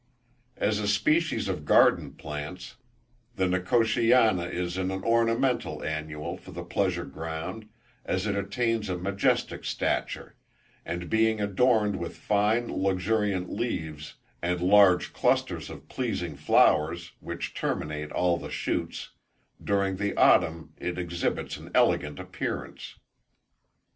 As a species of garden plants, the Nicotiana is an ornamental annual for the pleasure ground, as it attains a majestic stature, and being adorned with fine luxuriant leaves, and large clusters of pleasing flowers which terminate all the shoots, during the autumn it exhibits an elegant appearance.